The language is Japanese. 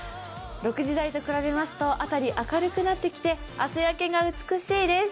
６時台と比べますと、辺りは明るくなってきて朝焼けが美しいです。